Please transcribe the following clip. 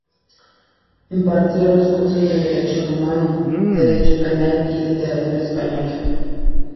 Impartió los cursos de Derecho Romano, Derecho Penal y Literatura española.